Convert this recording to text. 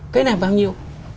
cái này bao nhiêu